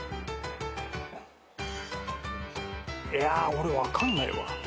いや俺分かんないわ。